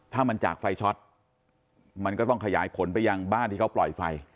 ถ้ามันจากไฟช็อตมันก็ต้องขยายผลไปยังบ้านที่เขาปล่อยไฟ